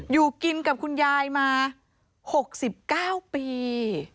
อยู่กินกับคุณยายมา๖๙ปี